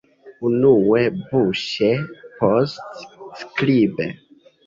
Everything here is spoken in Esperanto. Unue buŝe, poste skribe.